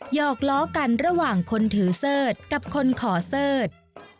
อกล้อกันระหว่างคนถือเสิร์ธกับคนขอเสิร์ธ